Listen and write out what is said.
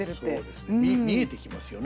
見えてきますよね。